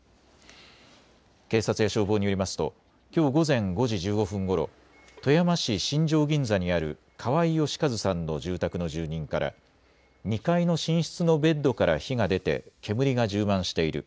警察や消防によりますときょう午前５時１５分ごろ、富山市新庄銀座にある河井義和さんの住宅の住人から２階の寝室のベッドから火が出て煙が充満している。